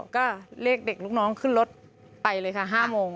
ก็เรียกเด็กลูกน้องขึ้นรถไปเลยค่ะ๕โมง